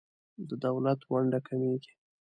د دولت ونډه کمیږي.